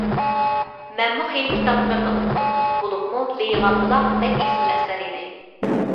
مەنمۇ خېلى كىتابلىرىنى ئوقۇدۇم، بولۇپمۇ «لېيىغان بۇلاق» بەك ئېسىل ئەسەر ئىدى.